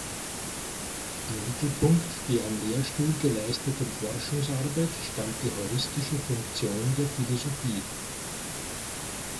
Im Mittelpunkt der am Lehrstuhl geleisteten Forschungsarbeit stand die heuristische Funktion der Philosophie.